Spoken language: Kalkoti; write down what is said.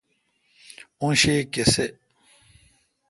اوں شی کیسے°